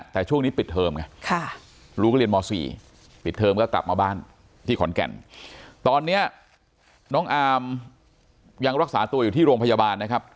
แต่ช่วงนี้ปิดเทอมไงลูกก็เรียนม๔ปิดเทอมก็กลับมาบ้านที่ขอนแก่นตอนนี้น้องอาร์มยังรักษาตัวอยู่ที่โรงพยาบาลนะครับ